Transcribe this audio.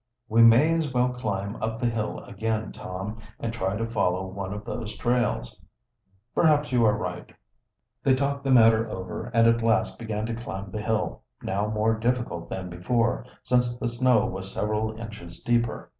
"We may as well climb up the hill again, Tom, and try to follow one of those trails." "Perhaps you are right." They talked the matter over and at last began to climb the hill, now more difficult than before, since the snow was several inches deeper.